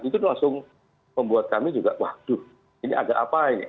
itu langsung membuat kami juga waduh ini agak apa ini